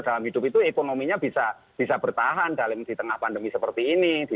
dalam hidup itu ekonominya bisa bertahan di tengah pandemi seperti ini